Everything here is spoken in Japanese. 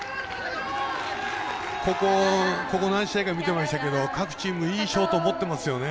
ここ何試合か見てましたけど各チーム、いいショート持ってますよね。